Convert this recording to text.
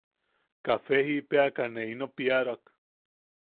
Kafe jiʼipeʼeaka ne ino piaroak.